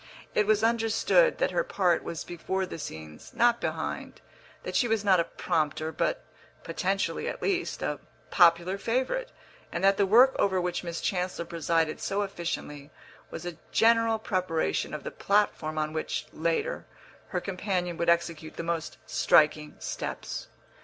It was understood that her part was before the scenes, not behind; that she was not a prompter, but (potentially, at least) a "popular favourite," and that the work over which Miss Chancellor presided so efficiently was a general preparation of the platform on which, later, her companion would execute the most striking steps.